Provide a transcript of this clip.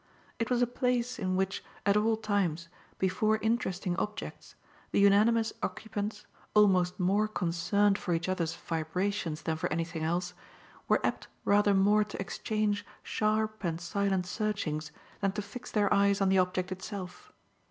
It was a place in which, at all times, before interesting objects, the unanimous occupants, almost more concerned for each other's vibrations than for anything else, were apt rather more to exchange sharp and silent searchings than to fix their eyes on the object itself.